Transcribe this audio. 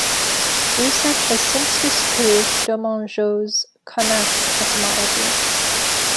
Research has since disproved Domengeaux's "connasse" etymology.